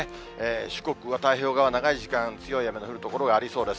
四国は太平洋側、長い時間、強い雨の降る所がありそうです。